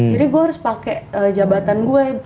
jadi gue harus pake jabatan gue